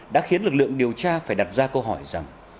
đã khiến lực lượng điều tra phải đặt ra câu hỏi rằng